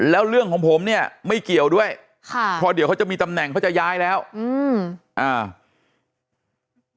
แล้วเรื่องของผมเนี่ยไม่เกี่ยวด้วยค่ะเพราะเดี๋ยวเขาจะมีตำแหน่งเขาจะย้ายแล้วอืมอ่า